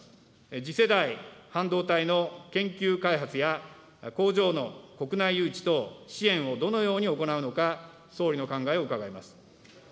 次世代半導体の研究開発や工場の国内誘致等、支援をどのように行うのか、総理の考えを伺います。